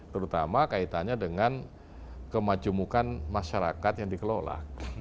terutama kaitannya dengan kemajemukan masyarakat yang dikelola